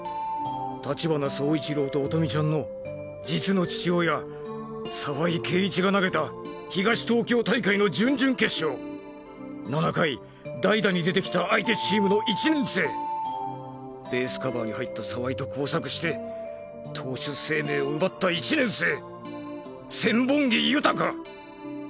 立花走一郎と音美ちゃんの実の父親澤井圭一が投げた東東京大会の準々決勝７回代打に出て来た相手チームの１年生ベースカバーに入った澤井と交錯して投手生命を奪った１年生千本木豊！